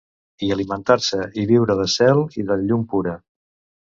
I alimentar-se i viure de cel i de llum pura.